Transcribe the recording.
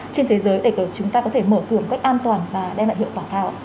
trên thế giới để chúng ta có thể mở cửa một cách an toàn và đem lại hiệu quả cao ạ